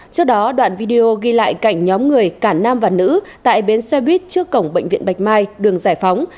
trước đó đoạn video ghi lại cảnh nhóm người cả nam và nữ tại bến xe buýt trước cổng bệnh viện bạch mai đường giải phóng